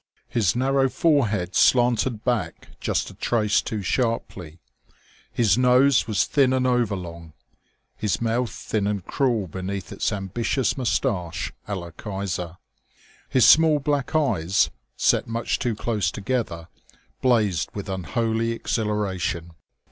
His narrow forehead slanted back just a trace too sharply, his nose was thin and overlong, his mouth thin and cruel beneath its ambitious mustache à la Kaiser; his small black eyes, set much too close together, blazed with unholy exhilaration.